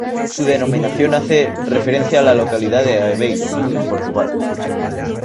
Su denominación hace referencia a la localidad de Aveiro, en Portugal.